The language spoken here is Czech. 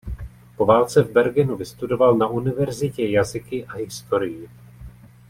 Po válce v Bergenu vystudoval na univerzitě jazyky a historii.